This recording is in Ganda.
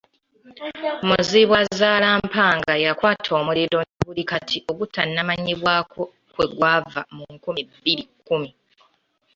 Muzibwazaalampanga yakwata omuliro nabuli kati ogutannamanyibwako kwegwava mu nkumi bbiri kumi.